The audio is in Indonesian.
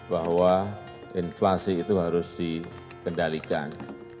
bahwa inflasi itu harus dikendalikan